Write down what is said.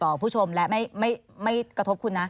ผู้ชมและไม่กระทบคุณนะ